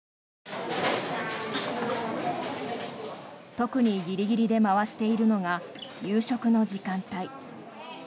特にギリギリで回しているのが夕食の時間帯。